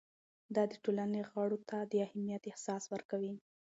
دا د ټولنې غړو ته د اهمیت احساس ورکوي.